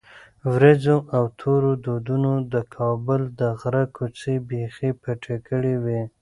ورېځو او تورو دودونو د کابل د غره څوکې بیخي پټې کړې وې.